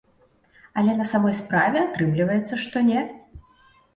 Але на самой справе атрымліваецца, што не.